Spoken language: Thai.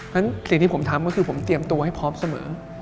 ฉะสิ่งที่ผมทำก็คือผมเตรียมตัวให้พร้อมเสมอ